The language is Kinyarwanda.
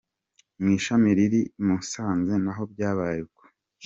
Mu ishami riri i Musanze naho byabaye uko.